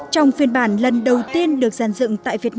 trong phiên bản lần đầu tiên được giàn dựng tại việt nam